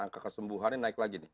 angka kesembuhannya naik lagi nih